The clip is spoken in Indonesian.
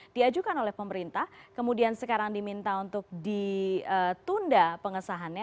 diajukan oleh pemerintah kemudian sekarang diminta untuk ditunda pengesahannya